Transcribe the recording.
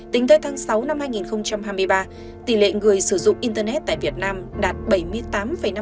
tính tới tháng sáu năm hai nghìn hai mươi ba tỷ lệ người sử dụng internet tại việt nam đạt bảy mươi tám năm